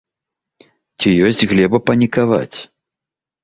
Ці ёсць глеба панікаваць?